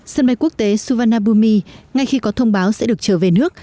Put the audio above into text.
sân bay quốc tế suvarnabhumi ngay khi có thông báo sẽ được trở về nước